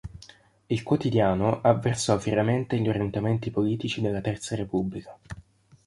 Il quotidiano avversò fieramente gli orientamenti politici della Terza Repubblica.